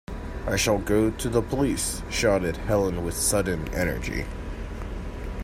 "I shall go to the police," shouted Helen with sudden energy.